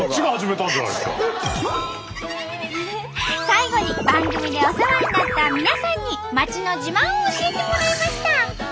最後に番組でお世話になった皆さんに町の自慢を教えてもらいました。